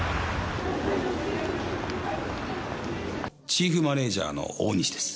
チーフマネージャーの大西です。